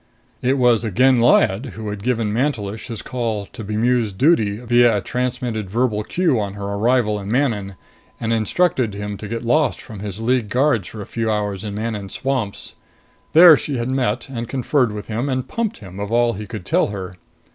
It was again Lyad who had given Mantelish his call to bemused duty via a transmitted verbal cue on her arrival in Manon, and instructed him to get lost from his League guards for a few hours in Manon's swamps. There she had met and conferred with him and pumped him of all he could tell her.